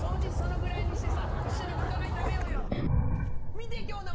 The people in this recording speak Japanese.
見て今日の賄い。